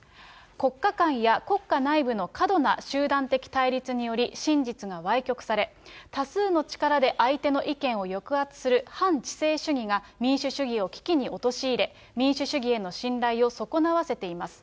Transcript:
国家間や国家内部の過度な集団的対立により、真実がわい曲され、多数の力で相手の意見を抑圧する反知性主義が、民主主義を危機に陥れ、民主主義への信頼を損なわせています。